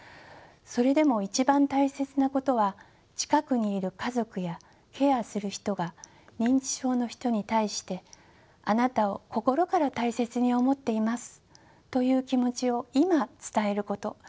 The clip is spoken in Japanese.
それでも一番大切なことは近くにいる家族やケアする人が認知症の人に対して「あなたを心から大切に思っています」という気持ちを今伝えること。